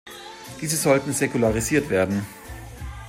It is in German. Diese sollten säkularisiert werden.